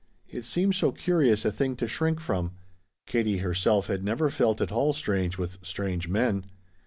It seemed so curious a thing to shrink from. Katie herself had never felt at all strange with "strange men."